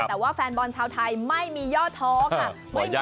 แต่ว่าแฟนบอลชาวไทยไม่มีย่อท้อค่ะ